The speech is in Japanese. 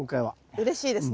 うれしいです何か。